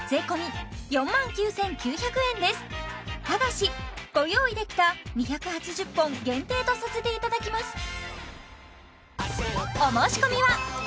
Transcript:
ただしご用意できた２８０本限定とさせていただきます